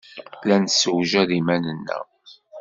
La nessewjad iman-nneɣ.